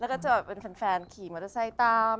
แล้วก็จะเป็นแฟนขี่มอเตอร์ไซค์ตาม